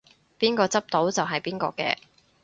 邊個執到就係邊個嘅